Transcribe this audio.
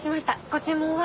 ご注文は？